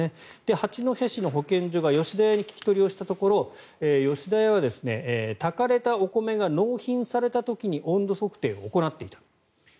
八戸市の保健所が吉田屋に聞き取りをしたところ吉田屋は、炊かれたお米が納品された時に温度測定を行っていた。